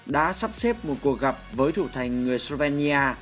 đã sắp xếp một cuộc gặp với thủ thành người slovenia